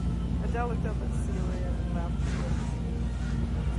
Adele looked up at Celia, and laughed maliciously.